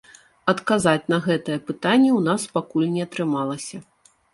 Адказаць на гэтае пытанне ў нас пакуль не атрымалася.